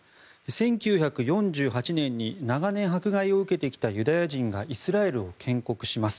１９４８年に長年迫害を受けてきたユダヤ人がイスラエルを建国します。